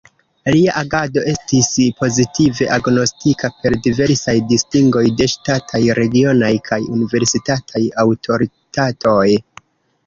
Lia agado estis pozitive agnoskita per diversaj distingoj de ŝtataj, regionaj kaj universitataj aŭtoritatoj.